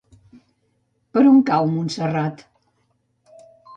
Per on cau Montserrat?